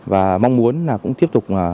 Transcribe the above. và mong muốn là cũng tiếp tục